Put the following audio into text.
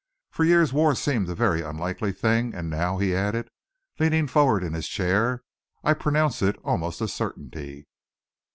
For years war seemed a very unlikely thing, and now," he added, leaning forward in his chair, "I pronounce it almost a certainty."